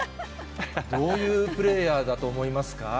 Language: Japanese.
どういうプレーヤーだと思います